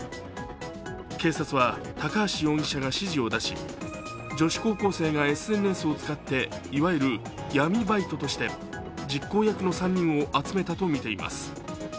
警察は、高橋容疑者が指示を出し、女子高校生がＳＮＳを使っていわゆる闇バイトとして実行役の３人を集めたとみています